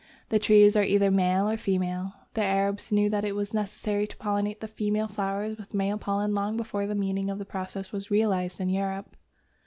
The trees are either male or female. The Arabs knew that it was necessary to pollinate the female flowers with male pollen long before the meaning of the process was realized in Europe.